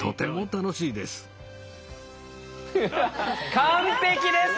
完璧です。